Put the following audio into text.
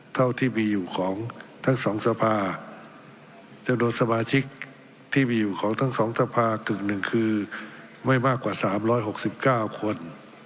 เท่าที่มีอยู่ของทั้งสองสภาจำนวนสมาชิกที่มีอยู่ของทั้งสองสภากึ่งหนึ่งคือไม่มากกว่า๓๖๙คน